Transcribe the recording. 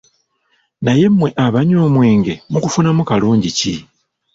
Naye mwe abanywa omwenge mugufunamu kalungi ki?